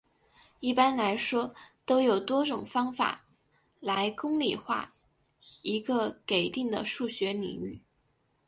一般来说都有多种方法来公理化一个给定的数学领域。